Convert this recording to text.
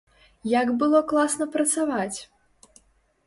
Як было класна працаваць!